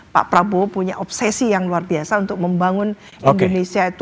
pak prabowo punya obsesi yang luar biasa untuk membangun indonesia itu